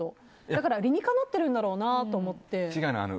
だから理にかなってるんだろうなと思って。